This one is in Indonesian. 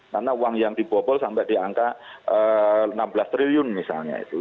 karena uang yang dibobol sampai di angka enam belas triliun misalnya itu